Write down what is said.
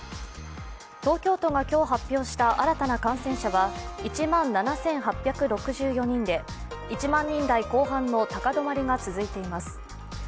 東京都が今日発表した新たな感染者は１万７８６４人で１万人台後半の高止まりが続いています。